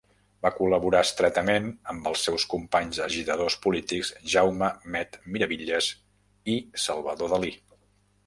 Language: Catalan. Va col·laborar estretament amb els seus companys agitadors polítics, Jaume 'Met' Miravitlles i Salvador Dalí.